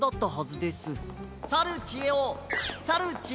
さるちえおさるちえ